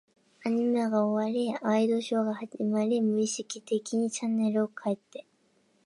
アニメが終わり、ワイドショーが始まり、無意識的にチャンネルを変えて、